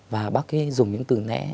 và bác ấy dùng những từ nẽ